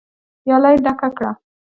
پياله يې ډکه کړه.